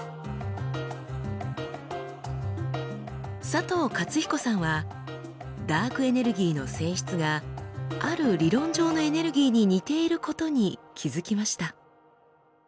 佐藤勝彦さんはダークエネルギーの性質がある理論上のエネルギーに似ていることに気付きました。